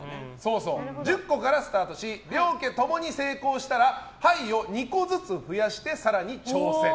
１０個からスタートし両家ともに成功したら牌を２個ずつ増やして更に挑戦。